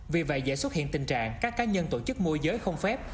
vì vậy dễ xuất hiện tình trạng các cá nhân tổ chức môi giới không phép